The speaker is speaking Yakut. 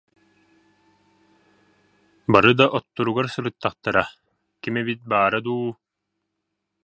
Бары да отторугар сырыттахтара, ким эмит баара дуу